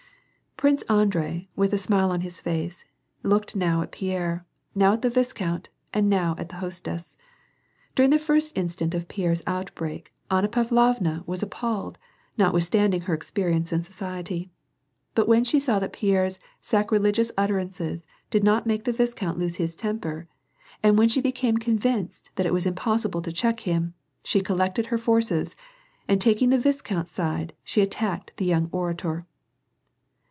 Prince Andrei with a smile on his face, looked now at Pierre, now at the viscount, and now at the hostess. During the first instant of Pierre's outbreak, Anna Pavlovna was ap palled, notwithstanding her experience in society : but when 'she saw that Pierre's sacrilegious utterances did not make the viscount lose his temper, and when she became convinced that it was impossible to check them, she collected her forces, and taking the viscount's side, she attacked the young orator.